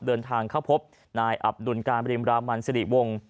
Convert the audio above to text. เดินทางเข้าพบนายอับดุลการบริมรามันสิริวงศ์